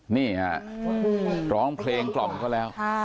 นี่ฮะร้องเพลงกล่อมเขาแล้ว